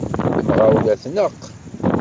Lemɣawla tneqq.